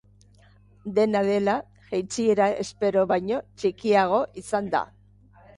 Dena dela, jaitsiera espero baino txikiagoa izan da.